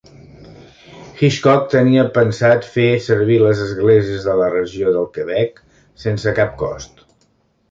Hitchcock tenia pensat fer servir les esglésies de la regió del Quebec sense cap cost.